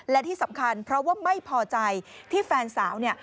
และที่สำคัญเพราะว่าไม่พอใจที่แฟนสาวเนี่ย